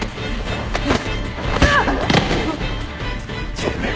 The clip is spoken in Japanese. てめえ。